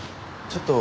ちょっと！